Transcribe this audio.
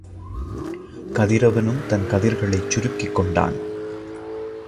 கதிரவனும் தன் கதிர்களைச் சுருக்கிக் கொண்டான்.